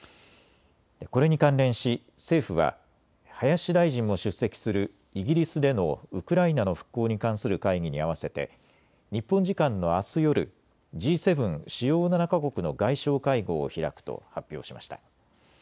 これに関連し政府は林大臣も出席するイギリスでのウクライナの復興に関する会議に合わせて日本時間のあす夜、Ｇ７・主要７か国の外相会合を開くと発表しました。